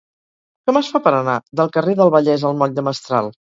Com es fa per anar del carrer del Vallès al moll de Mestral?